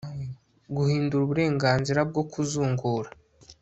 guhindura uburenganzira bwo kuzungura